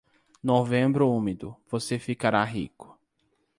Novembro úmido, você ficará rico.